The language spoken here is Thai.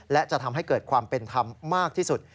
และจะทำให้เกิดความเป็นธรรมมากที่สุด